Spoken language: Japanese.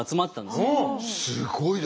すごいね。